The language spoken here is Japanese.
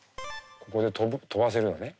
ここで飛ばせるのね。